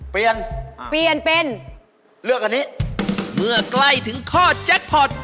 เปลี่ยนเปลี่ยนเป็นเลือกอันนี้เมื่อใกล้ถึงข้อแจ็คพอร์ต